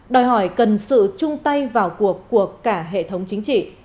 đòi hỏi cần sự chung tay vào cuộc của cả hệ thống chính trị